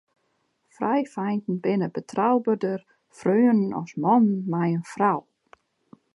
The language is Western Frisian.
Frijfeinten binne betrouberder freonen as mannen mei in frou.